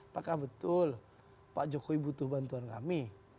apakah betul pak jokowi butuh bantuan kami